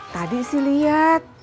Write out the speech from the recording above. tadi sih lihat